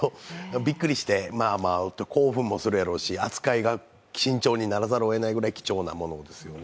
びっくりして、興奮もするやろうし、扱いも慎重にならざるを得ないぐらい貴重なものですね。